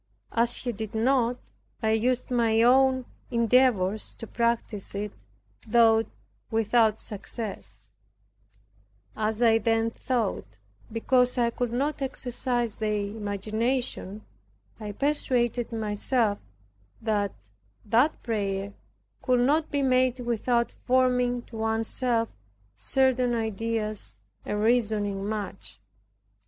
As he did not, I used my own endeavors to practice it, though without success, as I then thought, because I could not exercise the imagination, I persuaded myself, that that prayer could not be made without forming to one's self certain ideas and reasoning much.